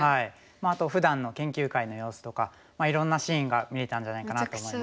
あとふだんの研究会の様子とかいろんなシーンが見れたんじゃないかなと思います。